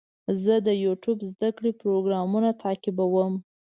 زه د یوټیوب زده کړې پروګرامونه تعقیبوم.